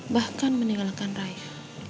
bahkan meninggalkan raya